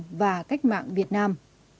hội đảng và cách mạng việt nam